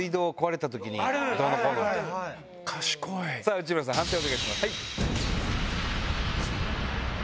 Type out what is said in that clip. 内村さん判定をお願いします。